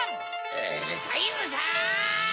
うるさいうるさい！